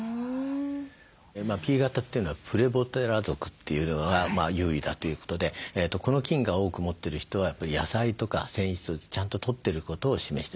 Ｐ型というのはプレボテラ属というのが優位だということでこの菌が多く持ってる人は野菜とか繊維質をちゃんととってることを示してます。